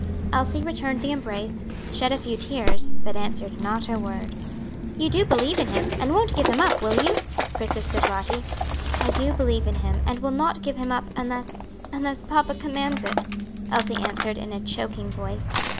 Elsie returned the embrace, shed a few tears, but answered not a word. "You do believe in him? and won't give him up; will you?" persisted Lottie. "I do believe in him, and will not give him up unless unless papa commands it," Elsie answered in a choking voice.